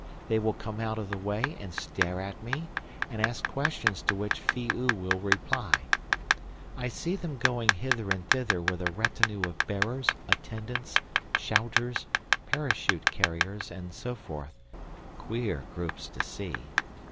They will come out of the way and stare at me and ask questions to which Phi oo will reply. I see them going hither and thither with a retinue of bearers, attendants, shouters, parachute carriers, and so forth—queer groups to see.